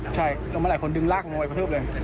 ใช่ลงมาหลายคนดึงลากลงไปกระทืบเลย